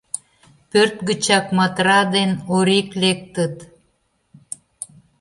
Пӧрт гычак Матра ден Орик лектыт.